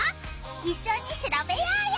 いっしょにしらべようよ！